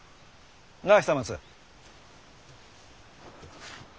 なあ久松？